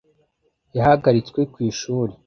yahagaritswe ku ishuri